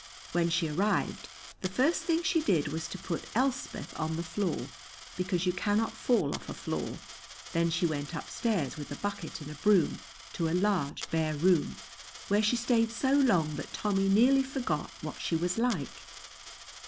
When she arrived the first thing she did was to put Elspeth on the floor, because you cannot fall off a floor; then she went upstairs with a bucket and a broom to a large bare room, where she stayed so long that Tommy nearly forgot what she was like.